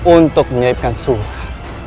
untuk menyebutkan surat